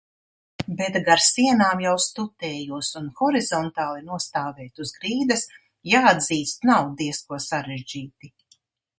Bet gar sienām jau stutējos un horizontāli nostāvēt uz grīdas, jāatzīst, nav diezko sarežģīti.